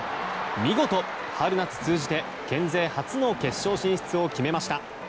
見事、春夏通じて県勢初の決勝進出を決めました。